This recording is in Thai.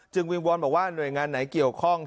วิงวอนบอกว่าหน่วยงานไหนเกี่ยวข้อง